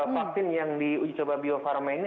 vaksin yang di uji coba bio farma ini